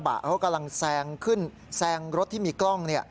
สักพักรถกระบะเขากำลังแซงขึ้นแซงรถที่มีกล้อง